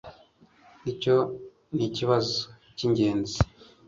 Icyo nikibazo cyingenzi